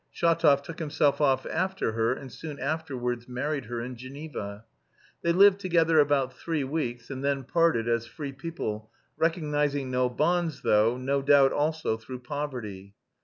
Shatov took himself off after her and soon afterwards married her in Geneva. They lived together about three weeks, and then parted as free people recognising no bonds, though, no doubt, also through poverty.